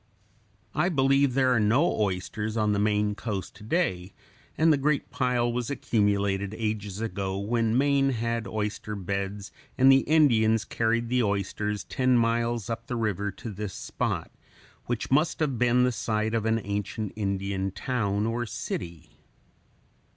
I believe there are no oysters on the Maine coast to day, and the great pile was accumulated ages ago when Maine had oyster beds and the Indians carried the oysters ten miles up the river to this spot which must have been the site of an ancient Indian town or city.